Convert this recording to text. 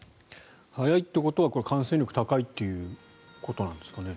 速いということは感染力が高いということなんですかね。